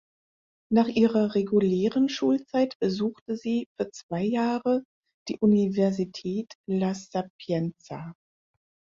Nach ihrer regulären Schulzeit besuchte sie für zwei Jahre die Universität La Sapienza.